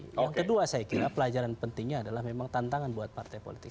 yang kedua saya kira pelajaran pentingnya adalah memang tantangan buat partai politik